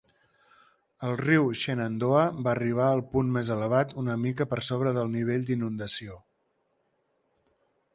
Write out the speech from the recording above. El riu Shenandoah va arribar al punt més elevat una mica per sobre del nivell d'inundació.